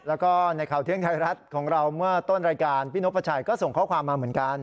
แล้วก็ในข่าวเที่ยงไทยรัฐของเราเมื่อต้นรายการพี่นกพระชัยก็ส่งข้อความมาเหมือนกัน